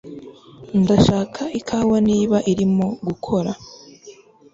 Ndashaka ikawa niba urimo gukora